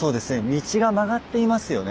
道が曲がっていますよね。